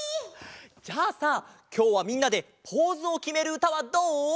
じゃあさきょうはみんなでポーズをきめるうたはどう？